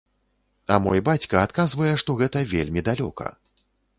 А мой бацька адказвае, што гэта вельмі далёка.